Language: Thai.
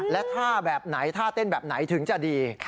และท่าแบบไหนท่าเต้นแบบไหนถึงจะดี